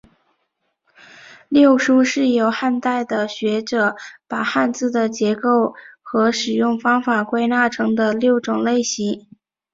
六书是由汉代的学者把汉字的构成和使用方式归纳成的六种类型。